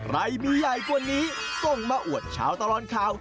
ใครมีใหญ่กว่านี้ส่งมาอวดชาวตลอดข่าว